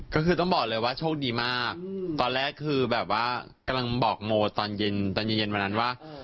ก็คือต้องบอกเลยว่าโชคดีมากตอนแรกคือแบบว่ากำลังบอกโมตอนเย็นตอนเย็นวันนั้นว่า